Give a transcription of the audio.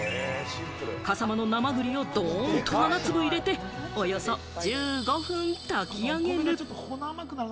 笠間の生栗をどんと７粒入れて、およそ１５分炊き上げる。